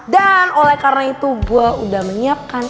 oleh karena itu gue udah menyiapkan